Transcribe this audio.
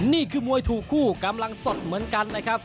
นี่คือมวยถูกคู่กำลังสดเหมือนกันนะครับ